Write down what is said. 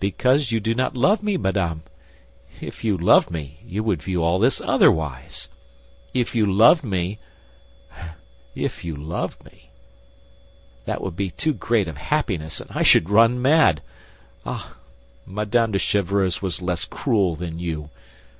"Because you do not love me, madame! If you loved me, you would view all this otherwise. If you loved me, oh, if you loved me, that would be too great happiness, and I should run mad. Ah, Madame de Chevreuse was less cruel than you.